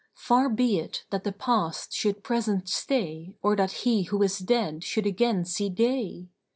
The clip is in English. Far be it that the past should present stay or that he who is dead should again see day!